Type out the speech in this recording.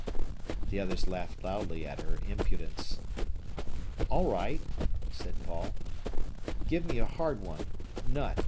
The others laughed loudly at her impudence. "All right," said Paul. "Give me a hard one—nut.